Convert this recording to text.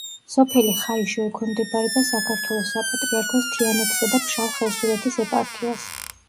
სოფელი ხაიშო ექვემდებარება საქართველოს საპატრიარქოს თიანეთისა და ფშავ-ხევსურეთის ეპარქიას.